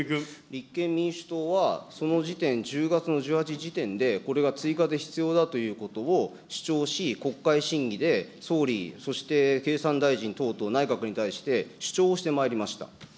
立憲民主党は、その時点、１０月の１８日時点で、これは追加で必要だということを主張し、国会審議で総理、そして経産大臣等々、内閣に対して主張をしてまいりました。